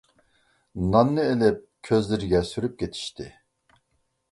ناننى ئېلىپ كۆزلىرىگە سۈرۈپ كېتىشتى.